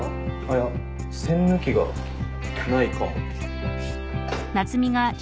いや栓抜きがないかも。